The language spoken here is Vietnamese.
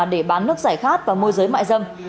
để bán nước giải khát và môi giới mại dâm